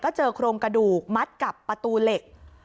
เจอโครงกระดูกมัดกับประตูเหล็ก